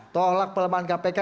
tolak pelemahan kpk